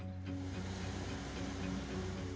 dan berpusat di darat